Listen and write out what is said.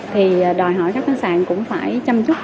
thì đòi hỏi các khách sạn cũng phải chăm chút